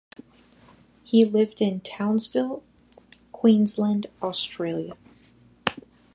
He lived in Townsville, Queensland, Australia.